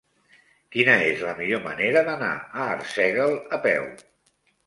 Quina és la millor manera d'anar a Arsèguel a peu?